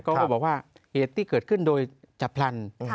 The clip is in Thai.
ก็บอกว่าเหตุที่เกิดขึ้นโดยจับพลัน